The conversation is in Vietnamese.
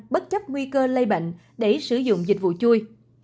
bất chấp nguy cơ lây bệnh để sử dụng dịch vụ chui